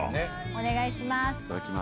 お願いします。